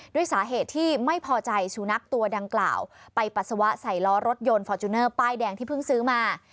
ด้วยสาเหตุที่ไม่พอใจสุนัขตัวดังกล่าวไปปัสสาวะใส่ล้อรถยนต์ฟอร์จูเนอร์ป้ายแดงที่เพิ่งซื้อมา